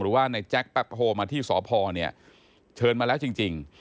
ว่าในแจ๊คแป๊บโฮมาที่สพเนี่ยเชิญมาแล้วจริง